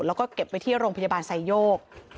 แล้วก็เก็บไว้ที่โรงพยาบาลไซโยก